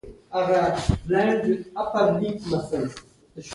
موږ د خپلو والدینو په مینه هغه وخت پوهېږو.